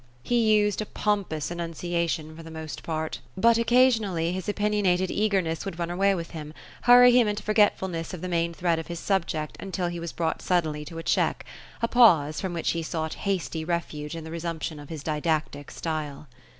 He used a pompous enunciation for the most part ; but THE ROSE OF ELSINORE. 227 Dccasionally, his opiniated eagerness would run away with him — hurry him into forgctfulness of the main thread of his subject, until he was brought suddenly to a check — a pause, from which he sought hasty re fuge in the resumption of his didactic style.